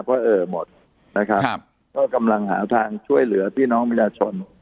เพราะเออหมดนะครับก็กำลังหาทางช่วยเหลือพี่น้องประชาชน